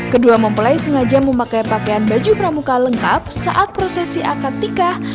kedua mempelai sengaja memakai pakaian baju pramuka lengkap saat prosesi akad nikah